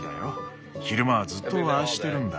昼間はずっとああしてるんだ。